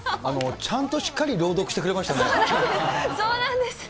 ちゃんとしっかり朗読してくそうなんです。